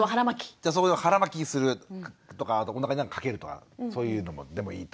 じゃあ腹巻きするとかおなかに何か掛けるとかそういうのでもいいと。